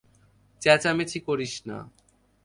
চেঁচামেচি করিস না।